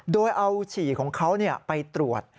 โดยเอาฉี่ของเขาไปตรวจ